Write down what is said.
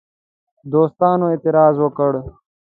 دوستانو اعتراض وکړ.